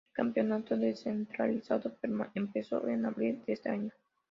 El Campeonato Descentralizado empezó en abril de ese año.